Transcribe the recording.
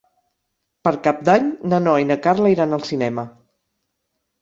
Per Cap d'Any na Noa i na Carla iran al cinema.